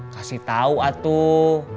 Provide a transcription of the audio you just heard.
kasih tau atuh